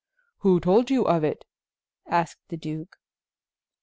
"Who told you of it?" asked the duke.